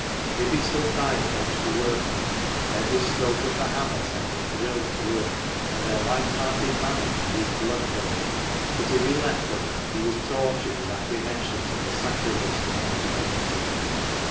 If he stood by and watched the workmen, every stroke of the hammer sent a thrill through him, and their light hearted manner made his blood boil, but if he left them he was tortured with apprehensions of the sacrilege they might be committing.